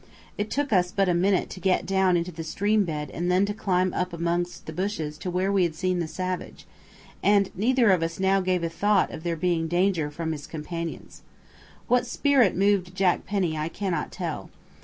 It took us but a minute to get down into the stream bed and then to climb up amongst the bushes to where we had seen the savage, and neither of us now gave a thought of there being danger from his companions. What spirit moved Jack Penny I cannot tell.